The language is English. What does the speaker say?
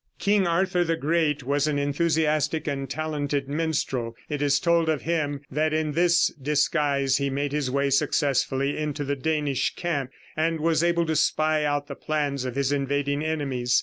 King Arthur the Great was an enthusiastic and talented minstrel. It is told of him that in this disguise he made his way successfully into the Danish camp, and was able to spy out the plans of his invading enemies.